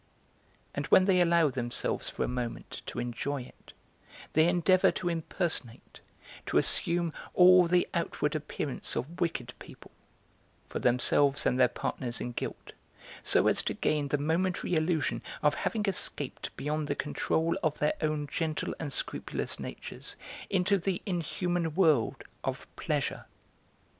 And when they allow themselves for a moment to enjoy it they endeavour to impersonate, to assume all the outward appearance of wicked people, for themselves and their partners in guilt, so as to gain the momentary illusion of having escaped beyond the control of their own gentle and scrupulous natures into the inhuman world of pleasure.